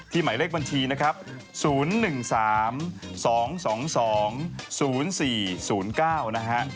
หมายเลขบัญชีนะครับ๐๑๓๒๒๒๐๔๐๙นะฮะ